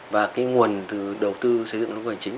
và nguồn đầu tư xây dựng các khu hành chính